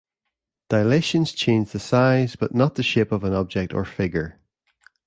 Dilations change the size but not the shape of an object or figure.